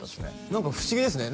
何か不思議ですね